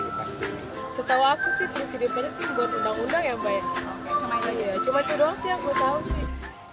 setahu aku sih buksin dpr itu buat undang undang ya mbak cuma itu doang sih yang gue tahu sih